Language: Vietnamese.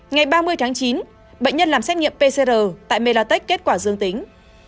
ngày ba mươi tháng chín bệnh nhân làm xét nghiệm pcr tại melatech kết quả dương tính